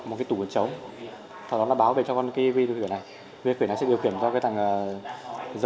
một cái tủ ở chống sau đó nó báo về cho con cái vi phỉ này vi phỉ này sẽ điều kiểm cho cái thằng